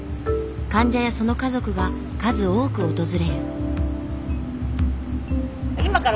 患者やその家族が数多く訪れる。